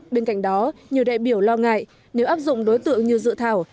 bên cạnh đó nhiều đại biểu lo ngại nếu áp dụng đối tượng như dự thảo